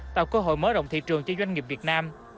tạo cơ hội mở rộng thị trường cho doanh nghiệp việt nam